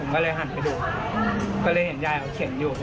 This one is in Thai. ก็เลยหันไปดูก็เลยเห็นยายเขาเขียนอยู่